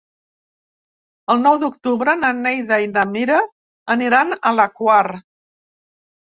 El nou d'octubre na Neida i na Mira aniran a la Quar.